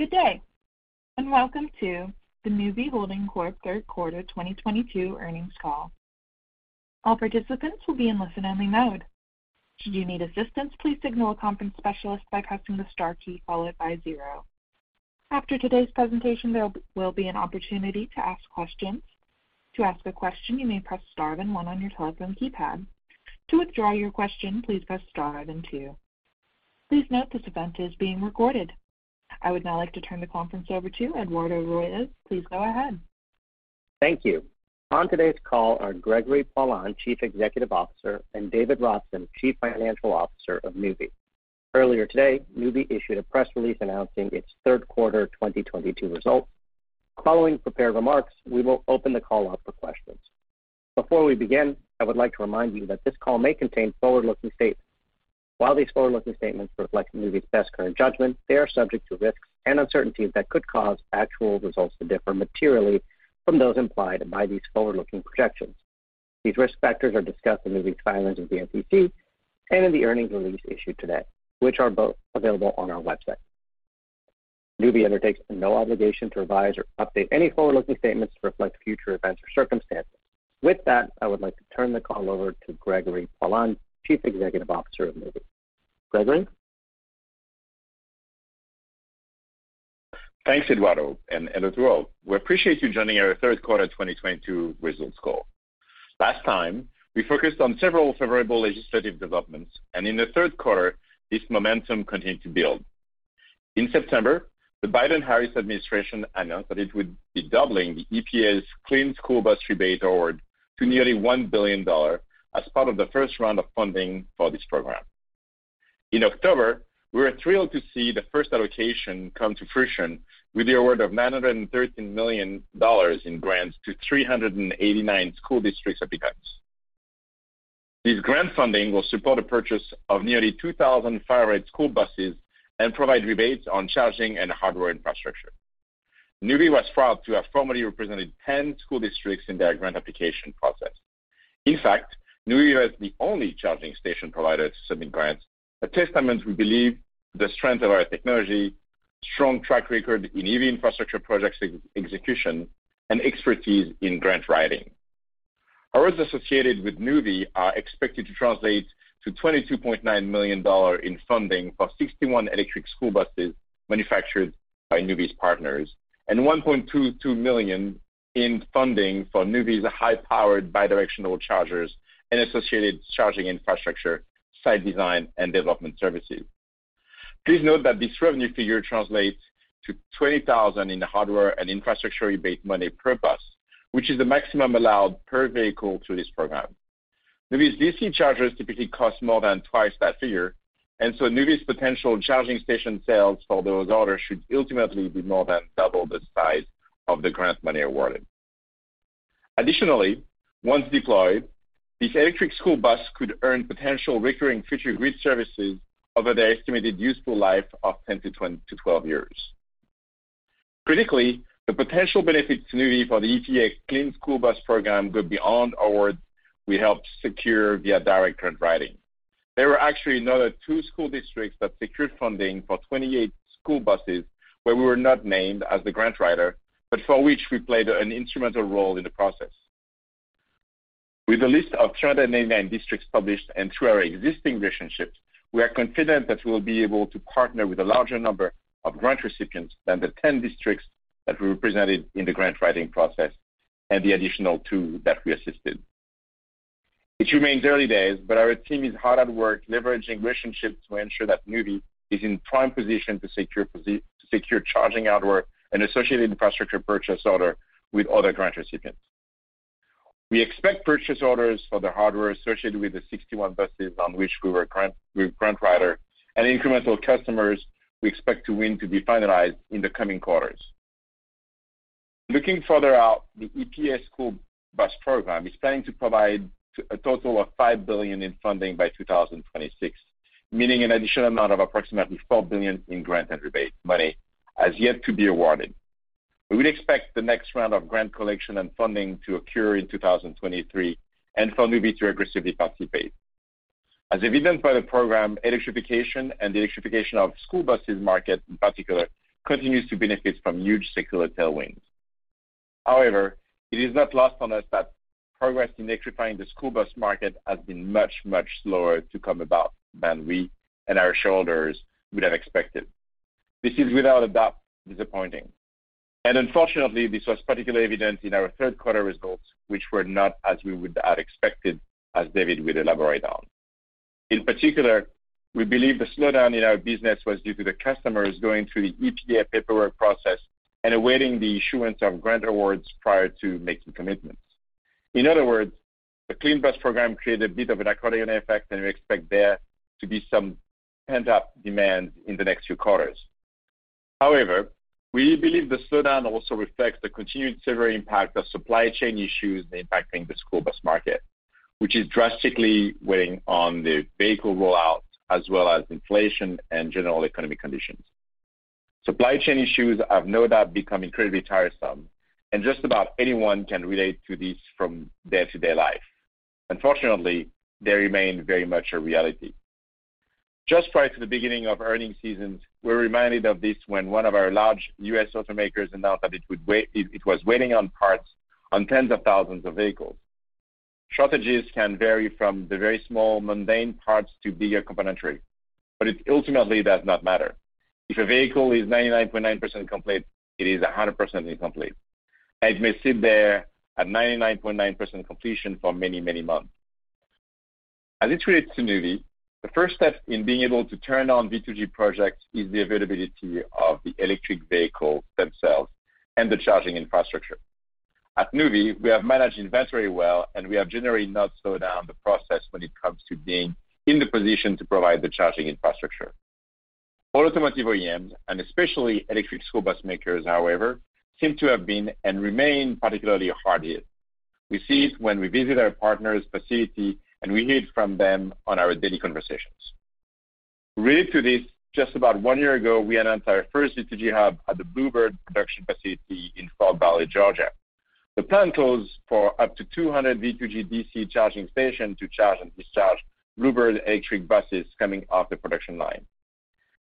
Good day, and welcome to the Nuvve Holding Corp. third quarter 2022 earnings call. All participants will be in listen-only mode. Should you need assistance, please signal a conference specialist by pressing the star key followed by zero. After today's presentation, there will be an opportunity to ask questions. To ask a question, you may press star then one on your telephone keypad. To withdraw your question, please press star then two. Please note this event is being recorded. I would now like to turn the conference over to Eduardo Royes. Please go ahead. Thank you. On today's call are Gregory Poilasne, Chief Executive Officer, and David Robson, Chief Financial Officer of Nuvve. Earlier today, Nuvve issued a press release announcing its third quarter 2022 results. Following prepared remarks, we will open the call up for questions. Before we begin, I would like to remind you that this call may contain forward-looking statements. While these forward-looking statements reflect Nuvve's best current judgment, they are subject to risks and uncertainties that could cause actual results to differ materially from those implied by these forward-looking projections. These risk factors are discussed in Nuvve's filings with the SEC and in the earnings release issued today, which are both available on our website. Nuvve undertakes no obligation to revise or update any forward-looking statements to reflect future events or circumstances. With that, I would like to turn the call over to Gregory Poilasne, Chief Executive Officer of Nuvve. Gregory? Thanks, Eduardo. Hello to all. We appreciate you joining our third quarter 2022 results call. Last time, we focused on several favorable legislative developments, and in the third quarter, this momentum continued to build. In September, the Biden-Harris administration announced that it would be doubling the EPA's Clean School Bus rebate award to nearly $1 billion as part of the first round of funding for this program. In October, we were thrilled to see the first allocation come to fruition with the award of $913 million in grants to 389 school districts and counties. This grant funding will support the purchase of nearly 2,000 clean school buses and provide rebates on charging and hardware infrastructure. Nuvve was proud to have formally represented 10 school districts in their grant application process. In fact, Nuvve was the only charging station provider to submit grants, a testament to, we believe, the strength of our technology, strong track record in EV infrastructure projects execution, and expertise in grant writing. Awards associated with Nuvve are expected to translate to $22.9 million in funding for 61 electric school buses manufactured by Nuvve's partners and $1.22 million in funding for Nuvve's high-powered bidirectional chargers and associated charging infrastructure, site design, and development services. Please note that this revenue figure translates to $20,000 in hardware and infrastructure rebate money per bus, which is the maximum allowed per vehicle through this program. Nuvve's DC chargers typically cost more than twice that figure, and so Nuvve's potential charging station sales for those orders should ultimately be more than double the size of the grant money awarded. Additionally, once deployed, these electric school bus could earn potential recurring future grid services over their estimated useful life of 10-12 years. Critically, the potential benefits to Nuvve for the EPA Clean School Bus Program go beyond awards we helped secure via direct grant writing. There were actually another two school districts that secured funding for 28 school buses where we were not named as the grant writer, but for which we played an instrumental role in the process. With the list of 389 districts published and through our existing relationships, we are confident that we'll be able to partner with a larger number of grant recipients than the 10 districts that we represented in the grant writing process and the additional two that we assisted. It remains early days, but our team is hard at work leveraging relationships to ensure that Nuvve is in prime position to secure charging hardware and associated infrastructure purchase order with other grant recipients. We expect purchase orders for the hardware associated with the 61 buses on which we were the grant writer and incremental customers we expect to win to be finalized in the coming quarters. Looking further out, the EPA school bus program is planning to provide a total of $5 billion in funding by 2026, meaning an additional amount of approximately $4 billion in grant and rebate money has yet to be awarded. We would expect the next round of grant collection and funding to occur in 2023 and for Nuvve to aggressively participate. As evident by the program, electrification and the electrification of school buses market in particular continues to benefit from huge secular tailwinds. However, it is not lost on us that progress in electrifying the school bus market has been much, much slower to come about than we and our shareholders would have expected. This is without a doubt disappointing. Unfortunately, this was particularly evident in our third quarter results, which were not as we had expected, as David will elaborate on. In particular, we believe the slowdown in our business was due to the customers going through the EPA paperwork process and awaiting the issuance of grant awards prior to making commitments. In other words, the Clean School Bus Program created a bit of an accordion effect, and we expect there to be some pent-up demand in the next few quarters. However, we believe the slowdown also reflects the continued severe impact of supply chain issues impacting the school bus market, which is drastically weighing on the vehicle rollout as well as inflation and general economic conditions. Supply chain issues have no doubt become incredibly tiresome, and just about anyone can relate to this from day-to-day life. Unfortunately, they remain very much a reality. Just prior to the beginning of earnings season, we're reminded of this when one of our large U.S. automakers announced that it was waiting on parts for tens of thousands of vehicles. Shortages can vary from the very small, mundane parts to bigger componentry, but it ultimately does not matter. If a vehicle is 99.9% complete, it is 100% incomplete, and it may sit there at 99.9% completion for many, many months. As it relates to Nuvve, the first step in being able to turn on V2G projects is the availability of the electric vehicles themselves and the charging infrastructure. At Nuvve, we have managed inventory well, and we have generally not slowed down the process when it comes to being in the position to provide the charging infrastructure. All automotive OEMs, and especially electric school bus makers, however, seem to have been and remain particularly hard hit. We see it when we visit our partner's facility, and we hear it from them on our daily conversations. Related to this, just about one year ago, we announced our first V2G hub at the Blue Bird production facility in Fort Valley, Georgia. The plan calls for up to 200 V2G DC charging stations to charge and discharge Blue Bird electric buses coming off the production line.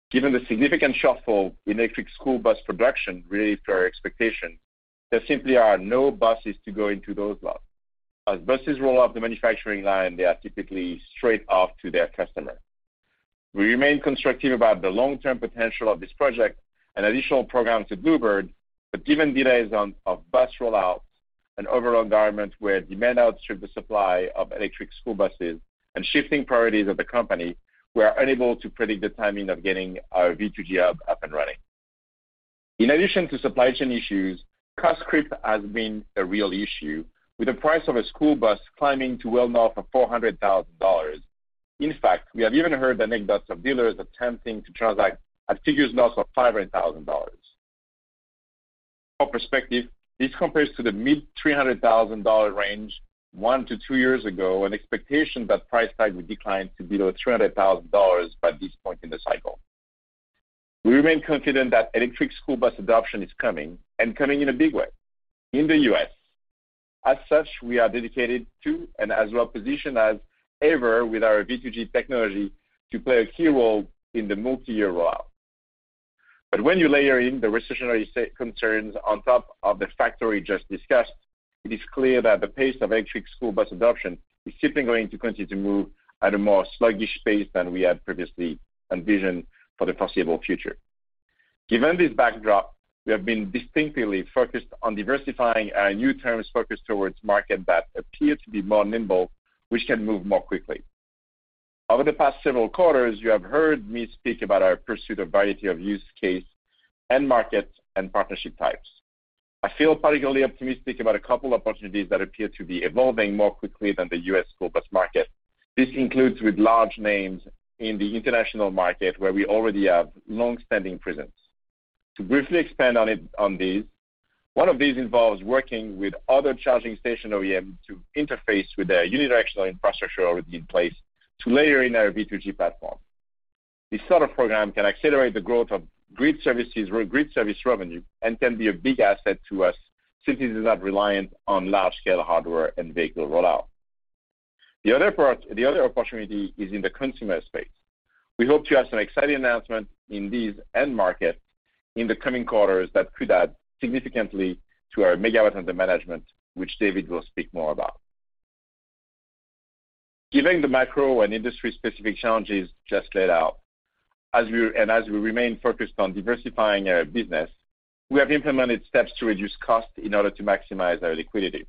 Given the significant shuffle in electric school bus production related to our expectations, there simply are no buses to go into those lots. As buses roll off the manufacturing line, they are typically straight off to their customer. We remain constructive about the long-term potential of this project and additional programs at Blue Bird, but given delays in bus rollout and overall environment where demand outstrips the supply of electric school buses and shifting priorities of the company, we are unable to predict the timing of getting our V2G hub up and running. In addition to supply chain issues, cost creep has been a real issue, with the price of a school bus climbing to well north of $400,000. In fact, we have even heard anecdotes of dealers attempting to transact at figures north of $500,000. For perspective, this compares to the mid-$300,000 range 1-2 years ago, an expectation that price tag would decline to below $300,000 by this point in the cycle. We remain confident that electric school bus adoption is coming and coming in a big way in the U.S. As such, we are dedicated to and as well positioned as ever with our V2G technology to play a key role in the multiyear rollout. When you layer in the recessionary state concerns on top of the factors just discussed, it is clear that the pace of electric school bus adoption is simply going to continue to move at a more sluggish pace than we had previously envisioned for the foreseeable future. Given this backdrop, we have been distinctly focused on diversifying our new terms focused towards markets that appear to be more nimble, which can move more quickly. Over the past several quarters, you have heard me speak about our pursuit of variety of use case and markets and partnership types. I feel particularly optimistic about a couple opportunities that appear to be evolving more quickly than the U.S. school bus market. This includes with large names in the international market where we already have long-standing presence. To briefly expand on these, one of these involves working with other charging station OEM to interface with their unidirectional infrastructure already in place to layer in our V2G platform. This sort of program can accelerate the growth of grid services or grid service revenue and can be a big asset to us since it is not reliant on large-scale hardware and vehicle rollout. The other opportunity is in the consumer space. We hope to have some exciting announcements in these end markets in the coming quarters that could add significantly to our megawatts under management, which David will speak more about. Given the macro and industry-specific challenges just laid out, as we remain focused on diversifying our business, we have implemented steps to reduce costs in order to maximize our liquidity.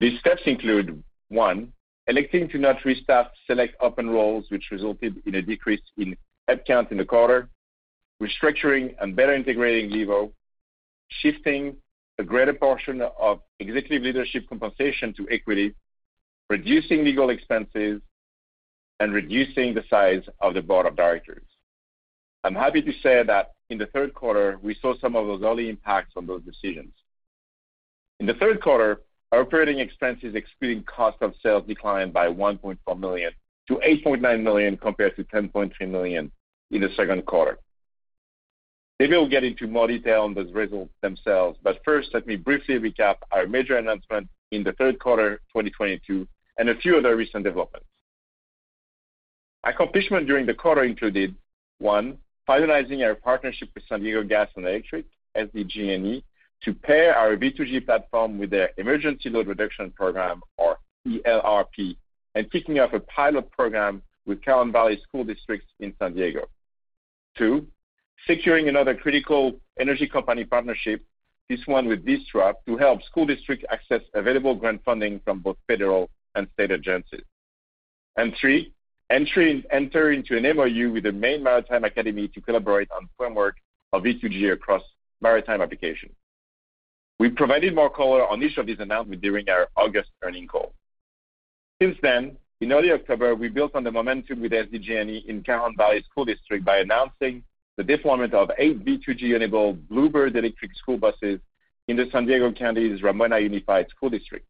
These steps include, one, electing to not restaff select open roles, which resulted in a decrease in headcount in the quarter, restructuring and better integrating Levo, shifting a greater portion of executive leadership compensation to equity, reducing legal expenses, and reducing the size of the board of directors. I'm happy to say that in the third quarter, we saw some of those early impacts on those decisions. In the third quarter, our operating expenses excluding cost of sales declined by $1.4 million-$8.9 million compared to $10.3 million in the second quarter. David will get into more detail on those results themselves, but first, let me briefly recap our major announcements in the third quarter 2022 and a few other recent developments. Accomplishment during the quarter included one, finalizing our partnership with San Diego Gas & Electric, SDG&E, to pair our V2G platform with their Emergency Load Reduction Program, or ELRP, and kicking off a pilot program with Cajon Valley Union School District in San Diego. Two, securing another critical energy company partnership, this one with Switch, to help school districts access available grant funding from both federal and state agencies. Three, enter into an MOU with the Maine Maritime Academy to collaborate on framework of V2G across maritime applications. We provided more color on each of these announcements during our August earnings call. Since then, in early October, we built on the momentum with SDG&E in Cajon Valley Union School District by announcing the deployment of eight V2G-enabled Blue Bird electric school buses in the San Diego County's Ramona Unified School District.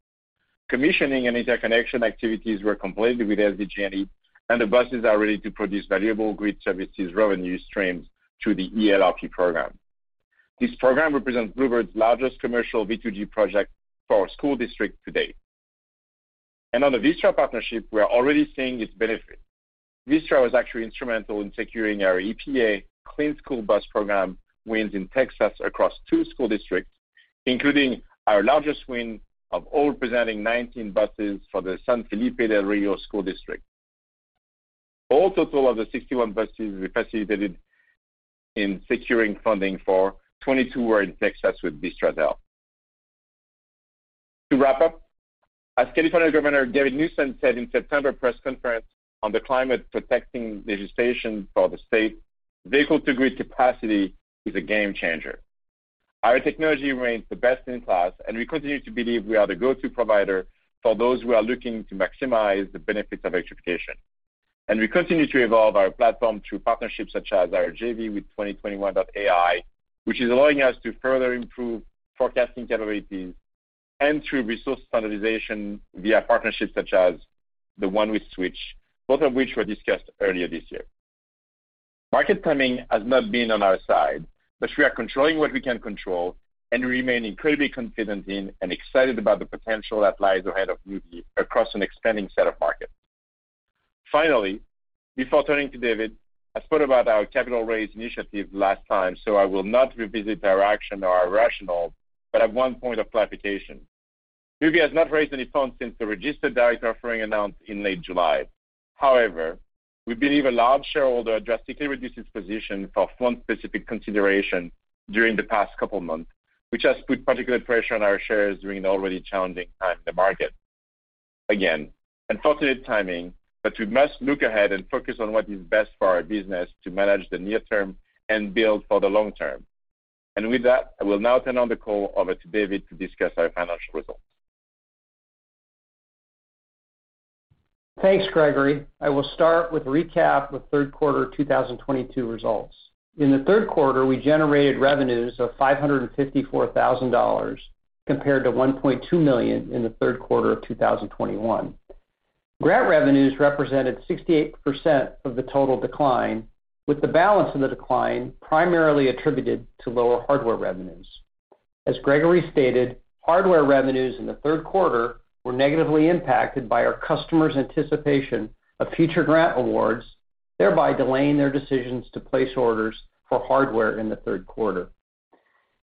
Commissioning and interconnection activities were completed with SDG&E, and the buses are ready to produce valuable grid services revenue streams through the ELRP program. This program represents Blue Bird's largest commercial V2G project for our school district to date. On the Vistra partnership, we are already seeing its benefit. Vistra was actually instrumental in securing our EPA Clean School Bus Program wins in Texas across two school districts, including our largest win of all, representing 19 buses for the San Felipe Del Rio Consolidated Independent School District. In total, of the 61 buses we facilitated in securing funding, 22 were in Texas with Vistra's help. To wrap up, as California Governor Gavin Newsom said in September press conference on the climate-protecting legislation for the state, "Vehicle-to-grid capacity is a game changer." Our technology remains the best-in-class, and we continue to believe we are the go-to provider for those who are looking to maximize the benefits of electrification. We continue to evolve our platform through partnerships such as our JV with 2021.AI, which is allowing us to further improve forecasting capabilities, and through resource standardization via partnerships such as the one with Switch, both of which were discussed earlier this year. Market timing has not been on our side, but we are controlling what we can control and remain incredibly confident in and excited about the potential that lies ahead of Nuvve across an expanding set of markets. Finally, before turning to David, I spoke about our capital raise initiative last time, so I will not revisit our action or our rationale, but I have one point of clarification. Nuvve has not raised any funds since the registered direct offering announced in late July. However, we believe a large shareholder drastically reduced his position for fund-specific consideration during the past couple of months, which has put particular pressure on our shares during an already challenging time in the market. Again, unfortunate timing, but we must look ahead and focus on what is best for our business to manage the near term and build for the long term. With that, I will now turn the call over to David to discuss our financial results. Thanks, Gregory. I will start with a recap of third quarter 2022 results. In the third quarter, we generated revenues of $554,000 compared to $1.2 million in the third quarter of 2021. Grant revenues represented 68% of the total decline, with the balance of the decline primarily attributed to lower hardware revenues. As Gregory stated, hardware revenues in the third quarter were negatively impacted by our customers' anticipation of future grant awards, thereby delaying their decisions to place orders for hardware in the third quarter.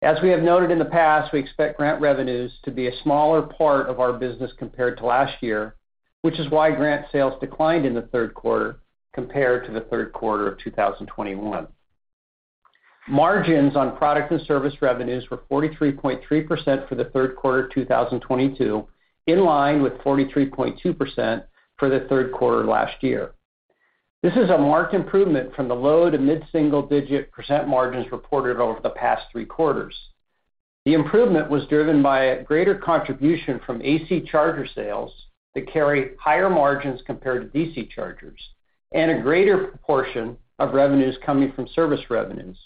As we have noted in the past, we expect grant revenues to be a smaller part of our business compared to last year, which is why grant sales declined in the third quarter compared to the third quarter of 2021. Margins on product and service revenues were 43.3% for the third quarter of 2022, in line with 43.2% for the third quarter last year. This is a marked improvement from the low- to mid-single-digit % margins reported over the past three quarters. The improvement was driven by a greater contribution from AC charger sales that carry higher margins compared to DC chargers and a greater proportion of revenues coming from service revenues.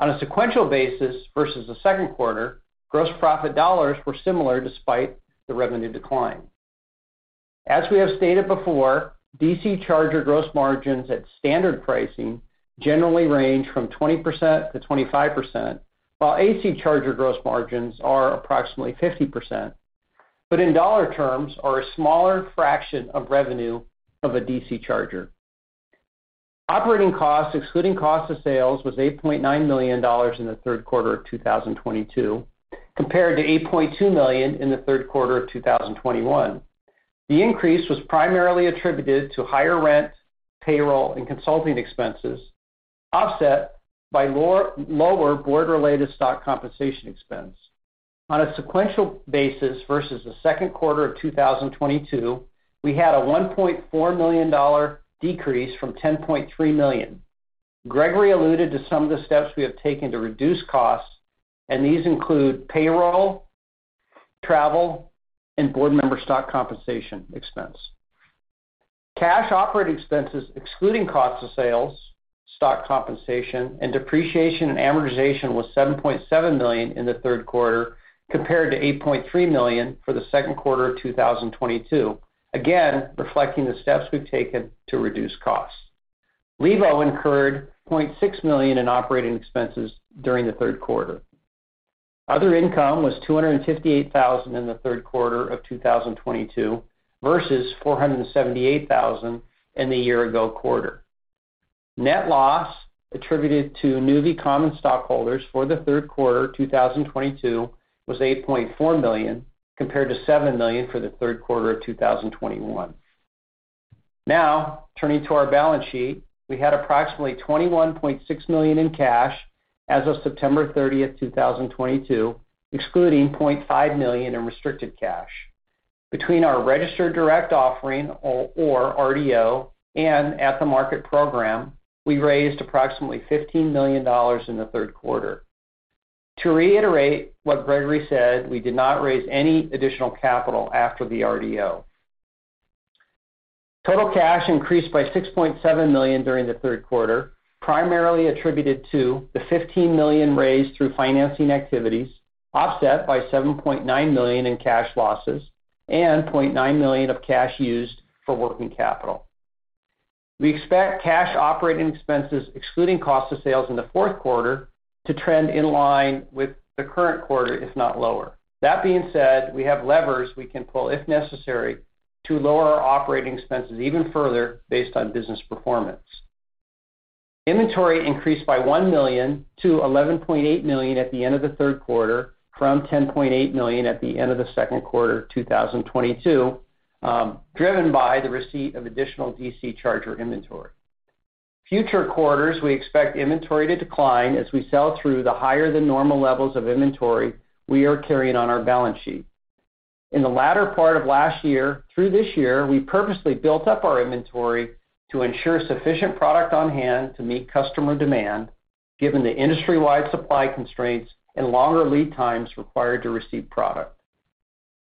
On a sequential basis versus the second quarter, gross profit dollars were similar despite the revenue decline. As we have stated before, DC charger gross margins at standard pricing generally range from 20%-25%, while AC charger gross margins are approximately 50%, but in dollar terms are a smaller fraction of revenue of a DC charger. Operating costs, excluding cost of sales, was $8.9 million in the third quarter of 2022, compared to $8.2 million in the third quarter of 2021. The increase was primarily attributed to higher rent, payroll, and consulting expenses, offset by lower board-related stock compensation expense. On a sequential basis versus the second quarter of 2022, we had a $1.4 million decrease from $10.3 million. Gregory alluded to some of the steps we have taken to reduce costs, and these include payroll, travel, and board member stock compensation expense. Cash operating expenses excluding cost of sales, stock compensation, and depreciation and amortization was $7.7 million in the third quarter compared to $8.3 million for the second quarter of 2022, again, reflecting the steps we've taken to reduce costs. Levo incurred $0.6 million in operating expenses during the third quarter. Other income was $258,000 in the third quarter of 2022 versus $478,000 in the year ago quarter. Net loss attributed to Nuvve common stockholders for the third quarter of 2022 was $8.4 million, compared to $7 million for the third quarter of 2021. Now, turning to our balance sheet, we had approximately $21.6 million in cash as of September 30, 2022, excluding $0.5 million in restricted cash. Between our registered direct offering, or RDO, and at-the-market program, we raised approximately $15 million in the third quarter. To reiterate what Gregory said, we did not raise any additional capital after the RDO. Total cash increased by $6.7 million during the third quarter, primarily attributed to the $15 million raised through financing activities, offset by $7.9 million in cash losses and $0.9 million of cash used for working capital. We expect cash operating expenses excluding cost of sales in the fourth quarter to trend in line with the current quarter, if not lower. That being said, we have levers we can pull if necessary to lower our operating expenses even further based on business performance. Inventory increased by $1 million-$11.8 million at the end of the third quarter from $10.8 million at the end of the second quarter 2022, driven by the receipt of additional DC charger inventory. Future quarters, we expect inventory to decline as we sell through the higher than normal levels of inventory we are carrying on our balance sheet. In the latter part of last year through this year, we purposely built up our inventory to ensure sufficient product on hand to meet customer demand given the industry-wide supply constraints and longer lead times required to receive product.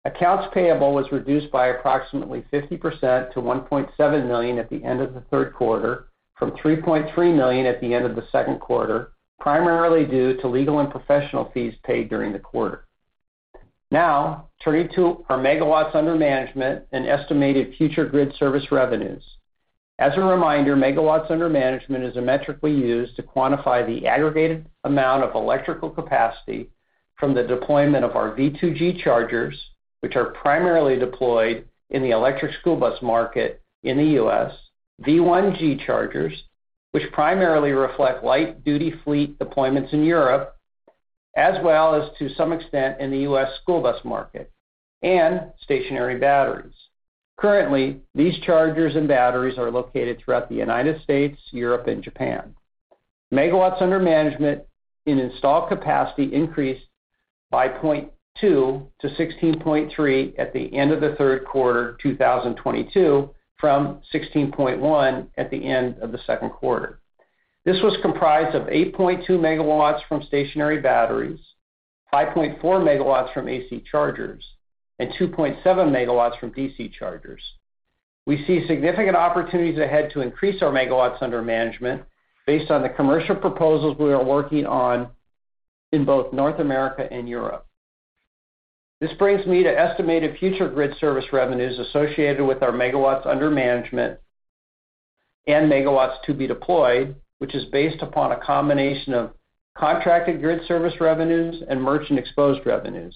Accounts payable was reduced by approximately 50% to $1.7 million at the end of the third quarter from $3.3 million at the end of the second quarter, primarily due to legal and professional fees paid during the quarter. Now, turning to our megawatts under management and estimated future grid service revenues. As a reminder, megawatts under management is a metric we use to quantify the aggregated amount of electrical capacity from the deployment of our V2G chargers, which are primarily deployed in the electric school bus market in the U.S., V1G chargers, which primarily reflect light-duty fleet deployments in Europe, as well as to some extent in the U.S. school bus market, and stationary batteries. Currently, these chargers and batteries are located throughout the United States, Europe, and Japan. Megawatts under management in installed capacity increased by 0.2-16.3 at the end of the third quarter 2022 from 16.1 at the end of the second quarter. This was comprised of 8.2 MW from stationary batteries, 5.4 MW from AC chargers, and 2.7 MW from DC chargers. We see significant opportunities ahead to increase our megawatts under management based on the commercial proposals we are working on in both North America and Europe. This brings me to estimated future grid service revenues associated with our megawatts under management and megawatts to be deployed, which is based upon a combination of contracted grid service revenues and merchant exposed revenues.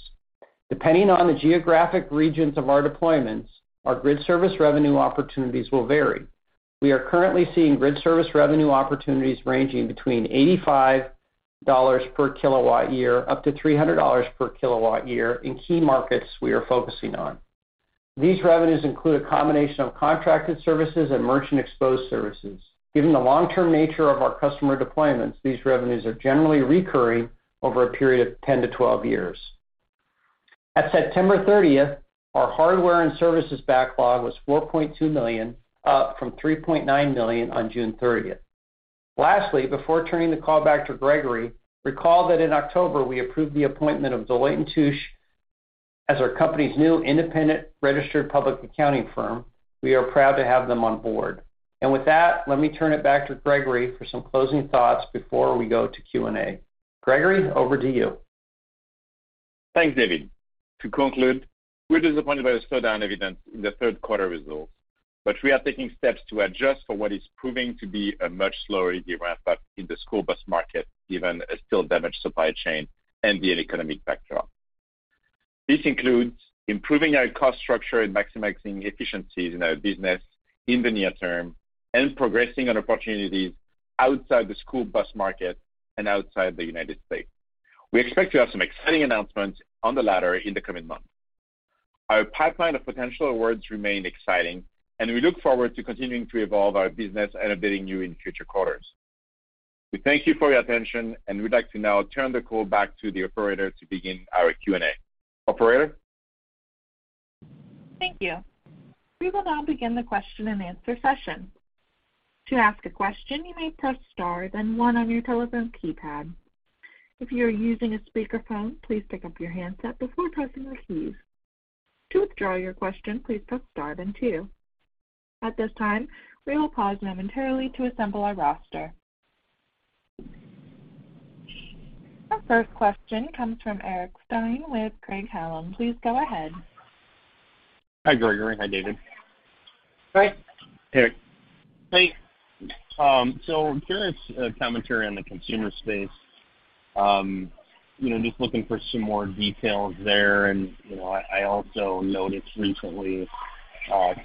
Depending on the geographic regions of our deployments, our grid service revenue opportunities will vary. We are currently seeing grid service revenue opportunities ranging between $85-$300 per kilowatt-year in key markets we are focusing on. These revenues include a combination of contracted services and merchant exposed services. Given the long-term nature of our customer deployments, these revenues are generally recurring over a period of 10-12 years. As of September 30th, our hardware and services backlog was $4.2 million, up from $3.9 million on June 30th. Lastly, before turning the call back to Gregory, recall that in October, we approved the appointment of Deloitte & Touche as our company's new independent registered public accounting firm. We are proud to have them on board. With that, let me turn it back to Gregory for some closing thoughts before we go to Q&A. Gregory, over to you. Thanks, David. To conclude, we're disappointed by the slowdown evident in the third quarter results, but we are taking steps to adjust for what is proving to be a much slower EV ramp-up in the school bus market, given a still damaged supply chain and the economic backdrop. This includes improving our cost structure and maximizing efficiencies in our business in the near term and progressing on opportunities outside the school bus market and outside the United States. We expect to have some exciting announcements on the latter in the coming months. Our pipeline of potential awards remain exciting, and we look forward to continuing to evolve our business and updating you in future quarters. We thank you for your attention, and we'd like to now turn the call back to the operator to begin our Q&A. Operator? Thank you. We will now begin the question-and-answer session. To ask a question, you may press star then one on your telephone keypad. If you are using a speakerphone, please pick up your handset before pressing the keys. To withdraw your question, please press star then two. At this time, we will pause momentarily to assemble our roster. Our first question comes from Eric Stine with Craig-Hallum. Please go ahead. Hi, Gregory. Hi, David. Hi. Eric. Hey, so curious, commentary on the consumer space. You know, just looking for some more details there. You know, I also noticed recently,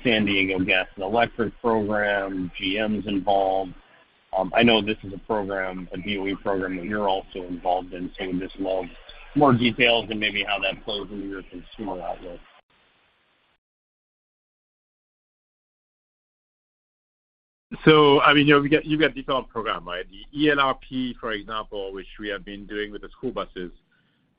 San Diego Gas & Electric program, GM's involved. I know this is a program, a DOE program that you're also involved in, so just a little more details on maybe how that flows into your consumer outlook. You've got different program, right? The ELRP, for example, which we have been doing with the school buses,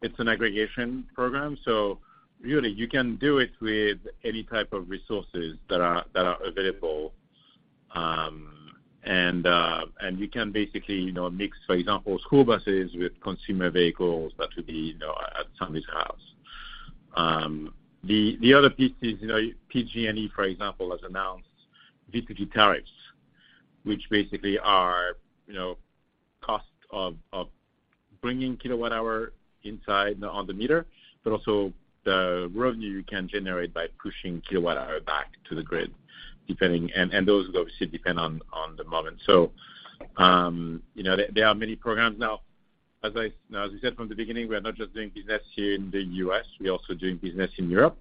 it's an aggregation program, so really you can do it with any type of resources that are available. You can basically, you know, mix, for example, school buses with consumer vehicles that would be, you know, at somebody's house. The other piece is, you know, PG&E, for example, has announced V2G tariffs, which basically are, you know, cost of bringing kilowatt hour inside on the meter, but also the revenue you can generate by pushing kilowatt hour back to the grid, depending. Those will obviously depend on the moment. There are many programs now. As I said from the beginning, we are not just doing business here in the U.S., we are also doing business in Europe.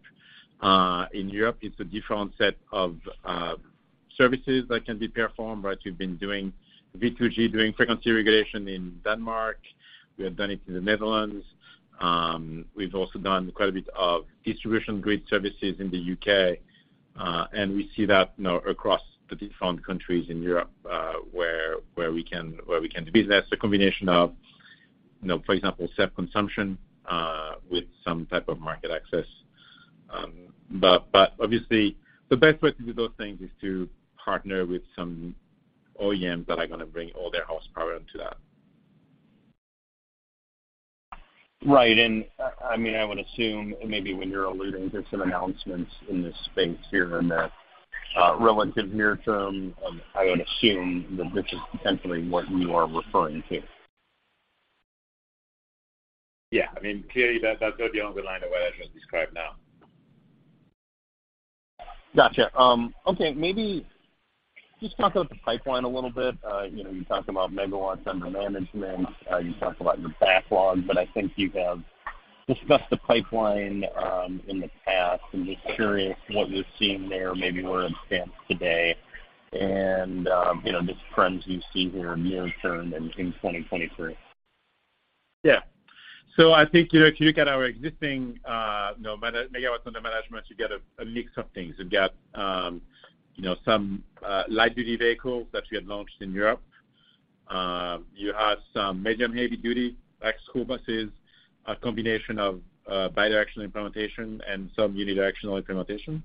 In Europe, it's a different set of services that can be performed, right? We've been doing V2G, doing frequency regulation in Denmark. We have done it in the Netherlands. We've also done quite a bit of distribution grid services in the U.K., and we see that, you know, across the different countries in Europe, where we can do business. A combination of, you know, for example, self-consumption with some type of market access. But obviously the best way to do those things is to partner with some OEMs that are gonna bring all their horsepower into that. Right. I mean, I would assume maybe when you're alluding to some announcements in this space here in the relative near term, I would assume that this is potentially what you are referring to. Yeah. I mean, clearly, that's not the only line of what I just described now. Gotcha. Okay, maybe just talk about the pipeline a little bit. You know, you talked about megawatts under management, you talked about your backlog, but I think you have discussed the pipeline, in the past. I'm just curious what you're seeing there, maybe where it stands today and, you know, just trends you see here near term and in 2023. Yeah. I think, you know, if you look at our existing, you know, megawatts under management, you get a mix of things. You've got, you know, some light-duty vehicles that we had launched in Europe. You have some medium heavy-duty, like school buses, a combination of bi-directional implementation and some unidirectional implementation.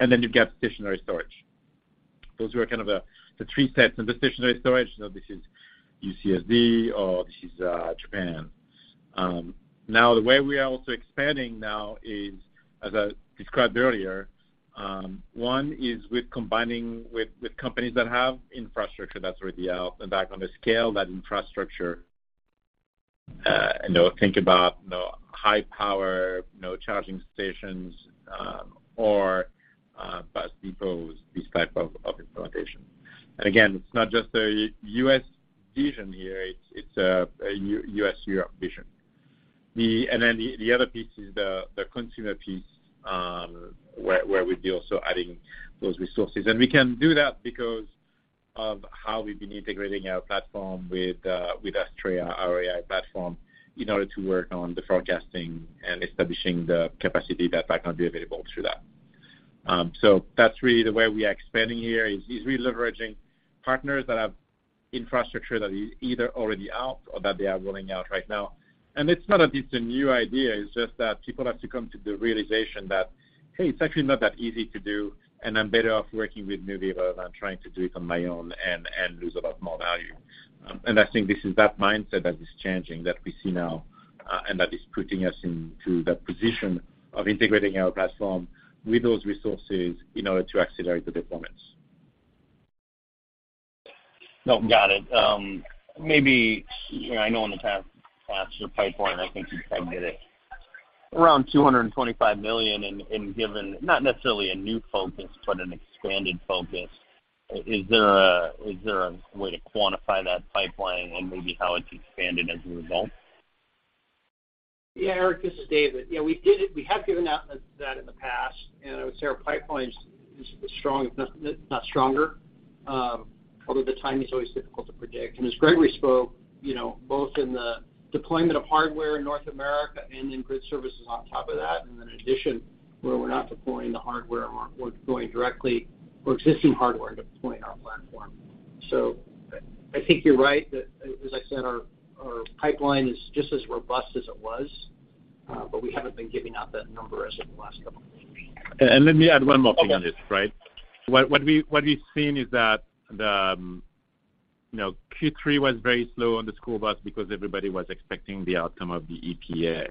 You've got stationary storage. Those were kind of the three sets. The stationary storage, you know, this is UCSD or this is Japan. Now, the way we are also expanding now is, as I described earlier, one is with combining with companies that have infrastructure that's already out and scale that infrastructure, you know, think about, you know, high power charging stations, or bus depots, these type of implementation. Again, it's not just a U.S. vision here, it's a U.S.-Europe vision. Then the other piece is the consumer piece, where we'd be also adding those resources. We can do that because of how we've been integrating our platform with Astrea, our AI platform, in order to work on the forecasting and establishing the capacity that can be available through that. That's really the way we are expanding here is really leveraging partners that have infrastructure that is either already out or that they are rolling out right now. It's not that it's a new idea, it's just that people have to come to the realization that, hey, it's actually not that easy to do, and I'm better off working with Nuvve rather than trying to do it on my own and lose a lot more value. I think this is that mindset that is changing, that we see now, and that is putting us into that position of integrating our platform with those resources in order to accelerate the deployments. No, got it. Maybe, you know, I know in the past pipeline, I think you tagged it at around $225 million and given not necessarily a new focus but an expanded focus. Is there a way to quantify that pipeline and maybe how it's expanded as a result? Yeah, Eric, this is David. Yeah, we did it. We have given out that in the past, and I would say our pipeline is strong, if not stronger. Probably the timing is always difficult to predict. As Gregory spoke, you know, both in the deployment of hardware in North America and in grid services on top of that, and then in addition, where we're not deploying the hardware, we're going directly for existing hardware deploying our platform. I think you're right that, as I said, our pipeline is just as robust as it was, but we haven't been giving out that number as of the last couple of weeks. Let me add one more thing on this, right? What we've seen is that, you know, Q3 was very slow on the school bus because everybody was expecting the outcome of the EPA.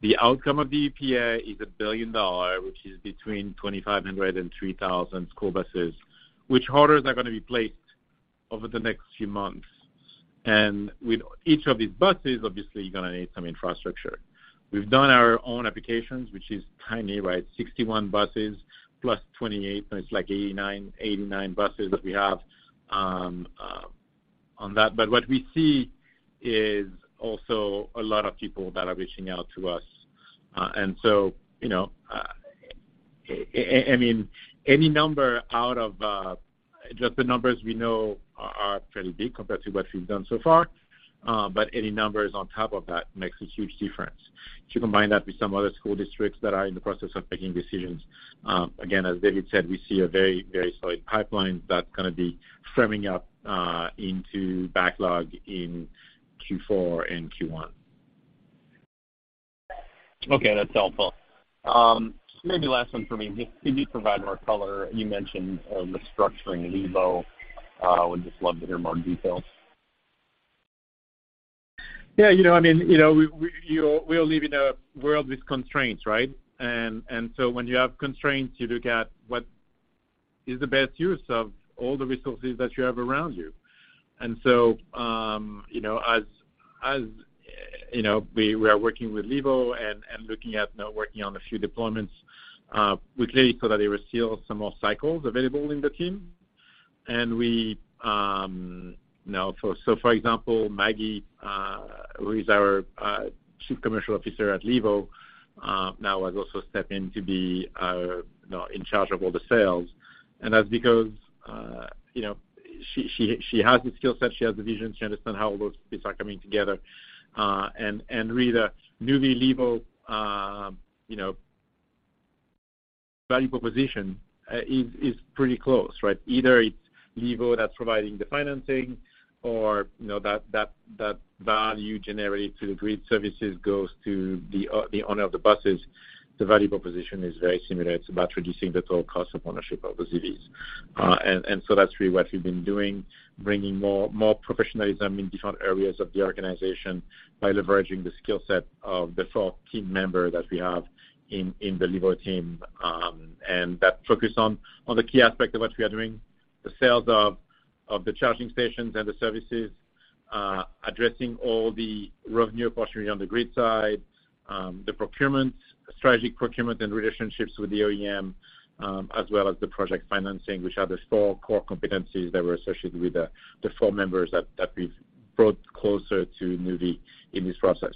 The outcome of the EPA is $1 billion, which is between 2,500 and 3,000 school buses, which orders are gonna be placed over the next few months. With each of these buses, obviously, you're gonna need some infrastructure. We've done our own applications, which is tiny, right? 61 buses plus 28, so it's like 89 buses that we have on that. What we see is also a lot of people that are reaching out to us. You know, I mean, any number out of just the numbers we know are fairly big compared to what we've done so far, but any numbers on top of that makes a huge difference. If you combine that with some other school districts that are in the process of making decisions, again, as David said, we see a very, very solid pipeline that's gonna be firming up into backlog in Q4 and Q1. Okay, that's helpful. Maybe last one for me. Can you provide more color? You mentioned on the structuring of Levo. Would just love to hear more details. Yeah, you know, I mean, we all live in a world with constraints, right? When you have constraints, you look at what is the best use of all the resources that you have around you. You know, as you know, we are working with Levo and looking at now working on a few deployments with Levo so that they receive some more cycles available in the team. For example, Maggie, who is our Chief Commercial Officer at Levo, now has also stepped in to be, you know, in charge of all the sales. That's because, you know, she has the skill set, she has the vision, she understands how all those bits are coming together. Really, the Nuvve Levo, you know, value proposition is pretty close, right? Either it's Levo that's providing the financing or, you know, that value generated to the grid services goes to the owner of the buses. The value proposition is very similar. It's about reducing the total cost of ownership of the EVs. That's really what we've been doing, bringing more professionalism in different areas of the organization by leveraging the skill set of the four team member that we have in the Levo team, and that focus on the key aspect of what we are doing, the sales of the charging stations and the services, addressing all the revenue opportunity on the grid side, the procurement, strategic procurement and relationships with the OEM, as well as the project financing, which are the four core competencies that were associated with the four members that we've brought closer to Nuvve in this process.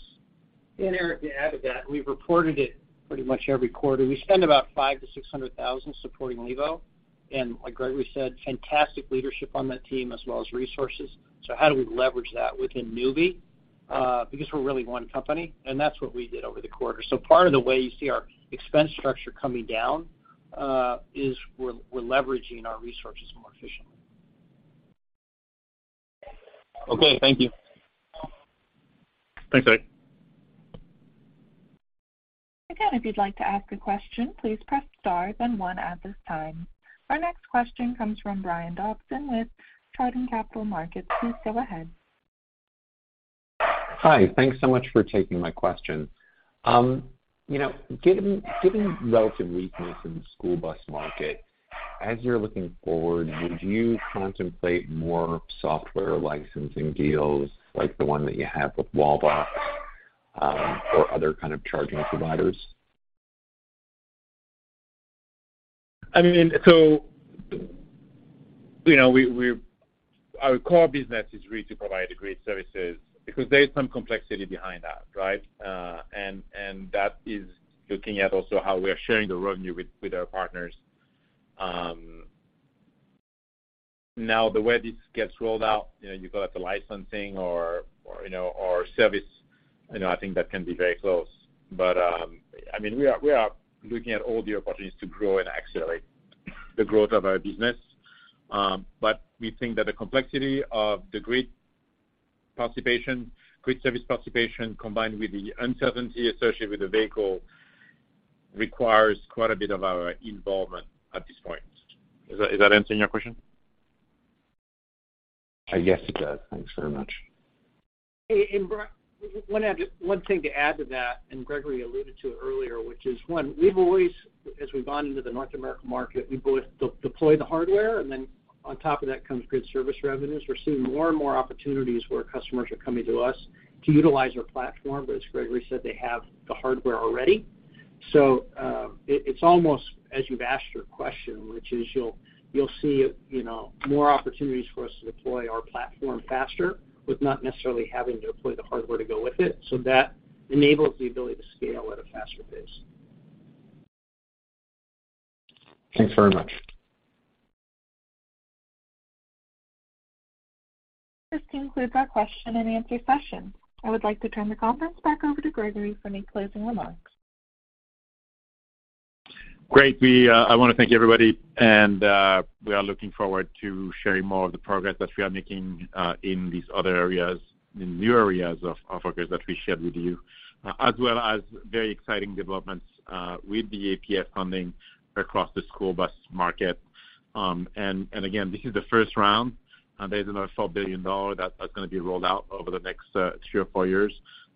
Eric, to add to that, we've reported it pretty much every quarter. We spend about $500,000-$600,000 supporting Levo. Like Gregory said, fantastic leadership on that team as well as resources. How do we leverage that within Nuvve? Because we're really one company, and that's what we did over the quarter. Part of the way you see our expense structure coming down is we're leveraging our resources more efficiently. Okay. Thank you. Thanks, Eric. Again, if you'd like to ask a question, please press star then one at this time. Our next question comes from Brian Dobson with Chardan Capital Markets. Please go ahead. Hi. Thanks so much for taking my question. You know, given relative weakness in the school bus market, as you're looking forward, would you contemplate more software licensing deals like the one that you have with Wallbox, or other kind of charging providers? I mean, so, you know, our core business is really to provide the grid services because there is some complexity behind that, right? That is looking at also how we are sharing the revenue with our partners. Now the way this gets rolled out, you know, you call it the licensing or, you know, or service, you know, I think that can be very close. I mean, we are looking at all the opportunities to grow and accelerate the growth of our business. We think that the complexity of the grid participation, grid service participation, combined with the uncertainty associated with the vehicle requires quite a bit of our involvement at this point. Is that answering your question? Yes, it does. Thanks very much. Brian, one thing to add to that, and Gregory alluded to it earlier, which is, one, we've always, as we've gone into the North American market, we both deploy the hardware, and then on top of that comes grid services revenues. We're seeing more and more opportunities where customers are coming to us to utilize our platform, but as Gregory said, they have the hardware already. It's almost as if you've asked your question, which is you'll see, you know, more opportunities for us to deploy our platform faster with not necessarily having to deploy the hardware to go with it. That enables the ability to scale at a faster pace. Thanks very much. This concludes our question and answer session. I would like to turn the conference back over to Gregory for any closing remarks. Great. I wanna thank everybody, and we are looking forward to sharing more of the progress that we are making in these other areas, in new areas of focus that we shared with you, as well as very exciting developments with the EPA funding across the school bus market. Again, this is the first round. There's another $4 billion that's gonna be rolled out over the next three or four years,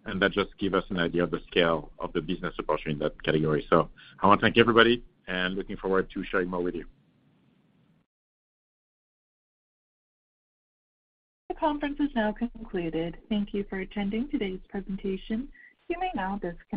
and that just give us an idea of the scale of the business opportunity in that category. I wanna thank everybody, and looking forward to sharing more with you. The conference is now concluded. Thank you for attending today's presentation. You may now disconnect.